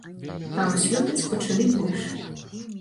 А вось лётаць пачалі больш.